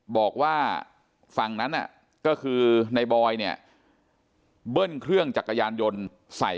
บอกว่าฝั่งนั้นก็คือในบอยเนี่ยเบิ้ลเครื่องจักรยานยนต์ใส่